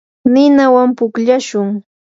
ninawan pukllashun.